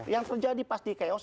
yang terjadi pasti chaos